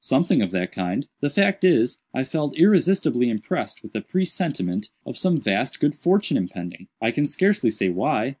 "Something of that kind. The fact is, I felt irresistibly impressed with a presentiment of some vast good fortune impending. I can scarcely say why.